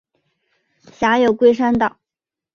辖有龟山岛。